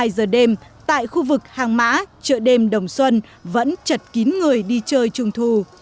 hai mươi giờ đêm tại khu vực hàng mã chợ đêm đồng xuân vẫn chật kín người đi chơi trung thu